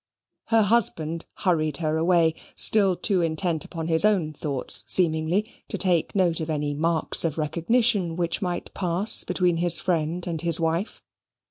Her husband hurried her away, still too intent upon his own thoughts, seemingly, to take note of any marks of recognition which might pass between his friend and his wife.